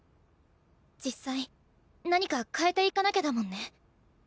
実際何か変えていかなきゃだもんね。